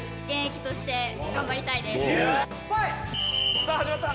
「さあ始まった！」